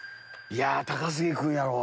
いや高杉君やろ？